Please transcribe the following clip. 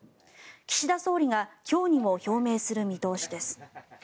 岸田総理が今日にも表明する見通しです。